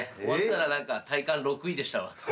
終わったら何か体感６位でしたわ。